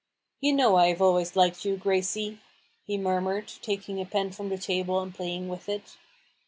" You know I have always liked you, Grade," he murmured, taking a pen from the table and playing with it.